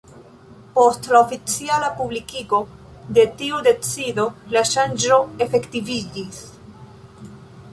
Post oficiala publikigo de tiu decido la ŝanĝo efektiviĝis.